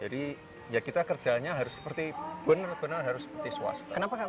jadi ya kita kerjanya harus seperti benar benar harus seperti swasta